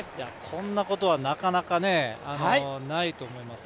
こんなことはなかなかないと思います。